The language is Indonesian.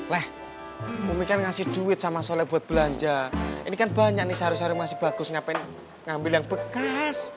leh umi kan ngasih duit sama solek buat belanja ini kan banyak nih seharusnya masih bagus ngapain ngambil yang bekas